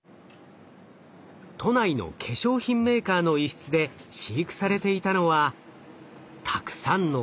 都内の化粧品メーカーの一室で飼育されていたのはたくさんの蚊！